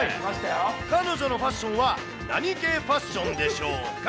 彼女のファッションは、何系ファッションでしょうか。